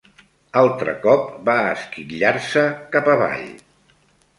Altre cop va esquitllar-se cap avall